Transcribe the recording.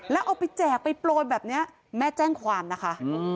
แล้วเอาไปแจกไปโปรยแบบนี้แม่แจ้งความนะคะ